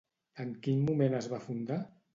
En quin moment es va fundar?